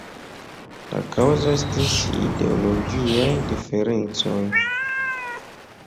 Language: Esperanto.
La kaŭzo estis ideologiaj diferencoj.